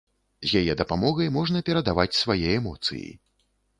З яе дапамогай можна перадаваць свае эмоцыі.